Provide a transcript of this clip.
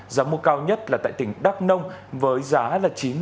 giá mua cao nhất là tại tỉnh đắk nông với giá là chín mươi tám bảy trăm linh đồng một kg